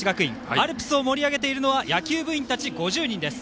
アルプスを盛り上げているのは野球部員たち５０人です。